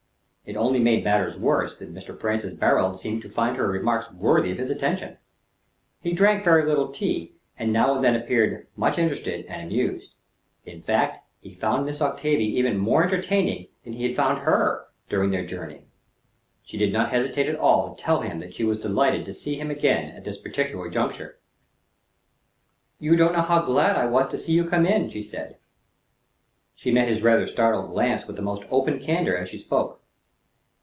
It only made matters worse, that Mr. Francis Barold seemed to find her remarks worthy of his attention. He drank very little tea, and now and then appeared much interested and amused. In fact, he found Miss Octavia even more entertaining than he had found her during their journey. She did not hesitate at all to tell him that she was delighted to see him again at this particular juncture. "You don't know how glad I was to see you come in," she said. She met his rather startled glance with the most open candor as she spoke.